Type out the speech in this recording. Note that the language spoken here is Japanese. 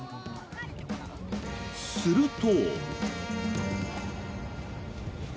すると。